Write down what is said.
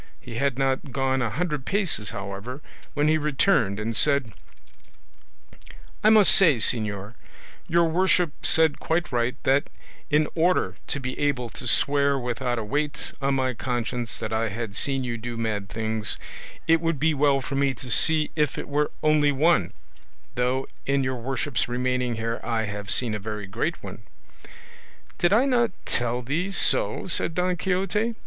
He had not gone a hundred paces, however, when he returned and said: "I must say, señor, your worship said quite right, that in order to be able to swear without a weight on my conscience that I had seen you do mad things, it would be well for me to see if it were only one; though in your worship's remaining here I have seen a very great one." "Did I not tell thee so?" said Don Quixote.